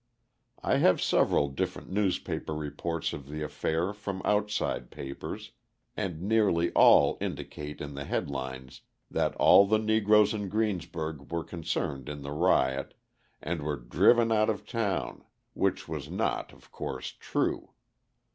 I have several different newspaper reports of the affair from outside papers, and nearly all indicate in the headlines that all the Negroes in Greensburg were concerned in the riot and were driven out of town, which was not, of course, true.